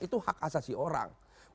itu hak asasi orang